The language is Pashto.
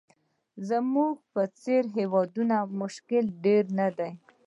زموږ په څېر هېوادونو مشکل ډېر نه دي.